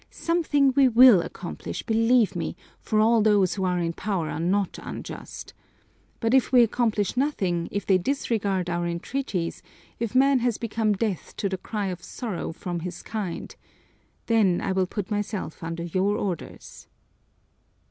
"Something we shall accomplish, believe me, for all those who are in power are not unjust. But if we accomplish nothing, if they disregard our entreaties, if man has become deaf to the cry of sorrow from his kind, then I will put myself under your orders!"